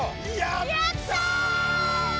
やった！